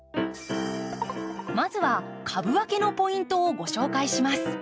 まずは株分けのポイントをご紹介します。